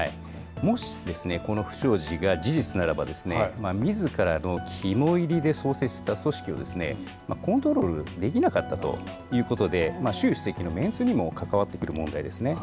もしこの不祥事が事実ならば、みずからの肝煎りで創設した組織をコントロールできなかったということで、習主席のメンツにも関わってくる問題ですね。